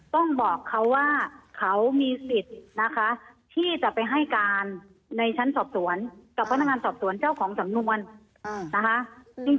ต้องบอกเขาว่าเขามีสิทธิ์นะคะที่จะไปให้การในชั้นสอบสวนกับพนักงานสอบสวนเจ้าของสำนวนนะคะ